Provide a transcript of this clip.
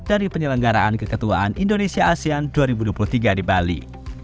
dari penyelenggaraan keketuaan indonesia asean dua ribu dua puluh tiga di bali